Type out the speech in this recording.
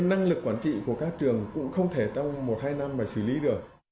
năng lực quản trị của các trường cũng không thể trong một hai năm mà xử lý được